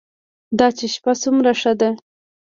دا چې شپه څومره ښه ده.